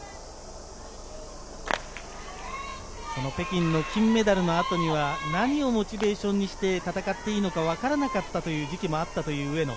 北京の金メダルの後には何をモチベーションにして戦っていいのか、わからなかったという時期もあったという上野。